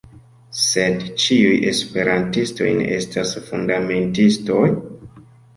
Sed ĉiuj Esperantistoj ne estas fundamentistoj?